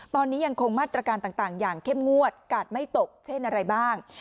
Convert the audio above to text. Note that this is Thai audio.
ตอนนี้ยังคงมาตรการต่างอย่างเข้มงวดกาดไม่ตกเช่นอะไรบ้าง